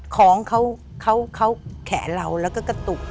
ของเขาแขนเราแล้วก็กระตุก